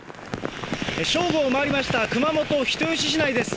正午を回りました、熊本・人吉市内です。